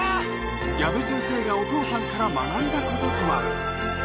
矢部先生がお父さんから学んだこととは？